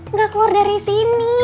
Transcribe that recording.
enggak keluar dari sini